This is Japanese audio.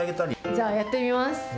じゃあ、やってみます。